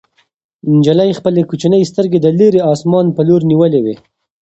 نجلۍ خپلې کوچنۍ سترګې د لیرې اسمان په لور نیولې وې.